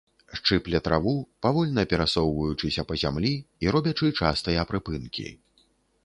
Шчыпле траву, павольна перасоўваючыся па зямлі і робячы частыя прыпынкі.